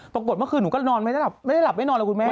ปรากฏเมื่อคืนหนูก็นอนไม่ได้หลับไม่ได้หลับไม่นอนเลยคุณแม่